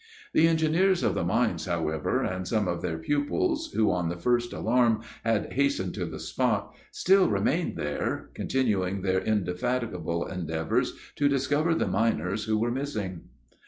The engineers of the mines, however, and some of their pupils, who, on the first alarm, had hastened to the spot, still remained there, continuing their indefatigable endeavors to discover the miners who were missing.